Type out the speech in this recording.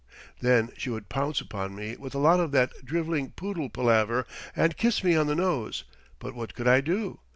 Then she would pounce upon me with a lot of that drivelling poodle palaver and kiss me on the nose—but what could I do?